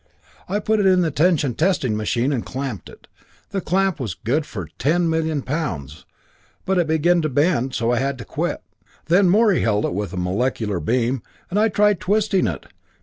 I put it in the tension testing machine, and clamped it the clamp was good for 10,000,000 pounds but it began to bend, so I had to quit. Then Morey held it with a molecular beam, and I tried twisting it.